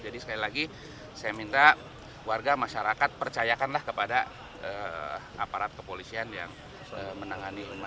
jadi sekali lagi saya minta warga masyarakat percayakanlah kepada aparat kepolisian yang menangani